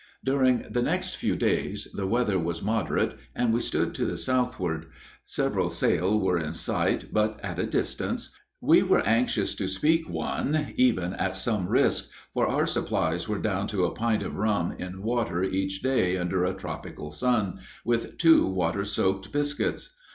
During the next few days the weather was moderate, and we stood to the southward; several sail were in sight, but at a distance. We were anxious to speak one even at some risk, for our supplies were down to a pint of rum in water each day under a tropical sun, with two water soaked biscuits.